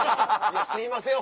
すいません